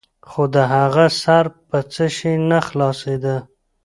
خو د هغه سر په څه شي نه خلاصېده.